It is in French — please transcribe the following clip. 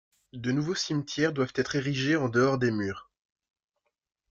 De nouveaux cimetières doivent donc être érigés en dehors des murs.